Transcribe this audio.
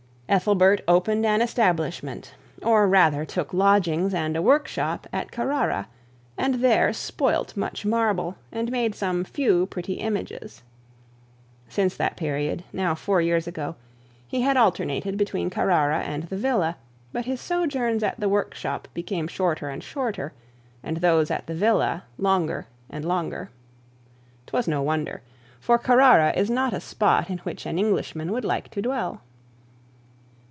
Ethelbert opened an establishment, or rather took lodgings and workshop, at Carrara, and there spoilt much marble, and made some few pretty images. Since that period, now four years ago, he had alternated between Carrara and the villa, but his sojourns at the workshop became shorter and shorter, and those at the villa longer and longer. 'Twas no wonder; for Carrara is not a spot in which an Englishman would like to dwell.